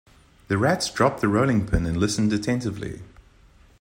The rats dropped the rolling-pin, and listened attentively.